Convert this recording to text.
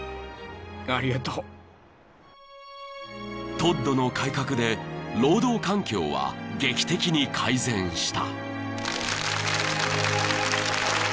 ［トッドの改革で労働環境は劇的に改善した］